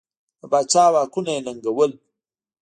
د پاچا واکونه یې ننګول.